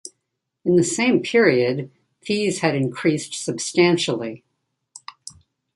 In the same period, fees had increased substantially.